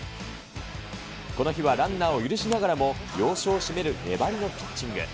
この日はランナーを許しながらも、要所を締める粘りのピッチング。